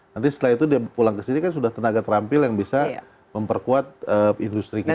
nanti setelah itu dia pulang ke sini kan sudah tenaga terampil yang bisa memperkuat industri kita